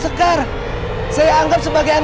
aku akan menganggap